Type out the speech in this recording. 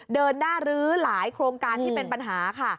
เดินหน้ารื้อหลายโครงการที่เป็นปัญหาค่ะ